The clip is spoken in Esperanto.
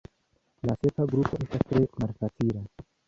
La sepa grupo estas tre malfacila.